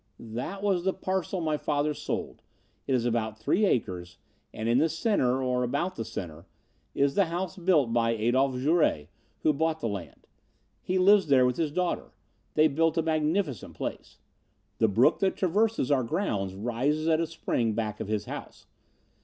"That was the parcel my father sold. It is about three acres, and in the center, or about the center, is the house built by Adolph Jouret, who bought the land. He lives there with his daughter. They built a magnificent place. The brook that traverses our grounds rises at a spring back of his house.